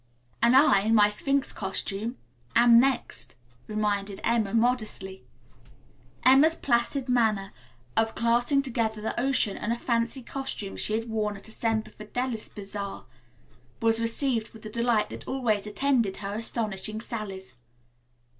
"And I, in my Sphinx costume, am next," reminded Emma modestly. Emma's placid manner of classing together the ocean and a fancy costume she had worn at a Semper Fidelis bazaar was received with the delight that always attended her astonishing sallies.